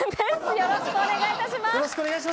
よろしくお願いします。